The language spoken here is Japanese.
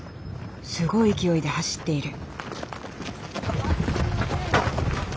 すごい勢いで走っている。